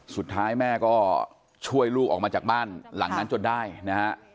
สุดท้ายแม่ก็ช่วยลูกออกมาจากบ้านหลังนั้นจนได้นะฮะ